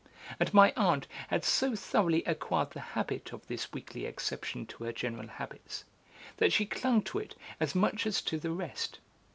And my aunt had so thoroughly acquired the habit of this weekly exception to her general habits, that she clung to it as much as to the rest.